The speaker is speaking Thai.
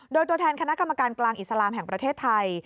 โดยตัวแทนคณะกรรมการกลางอิสลามแห่งประเทศไทย